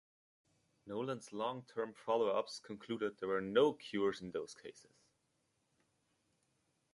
Nolen's long term follow-ups concluded there were no cures in those cases.